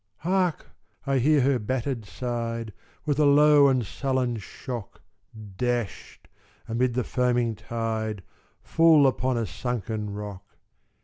"Hark! I hear her battered side, With a low and sullen shock, Dashed, amid the foaming tide, Full upon a sunken rock.